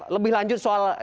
lebih lanjut soal